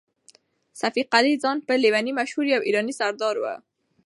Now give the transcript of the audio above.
صفي قلي خان په لېوني مشهور يو ایراني سردار و.